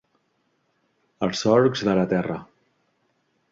Als solcs de la terra.